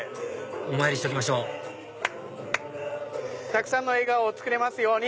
お参りしておきましょうたくさんの笑顔をつくれますように！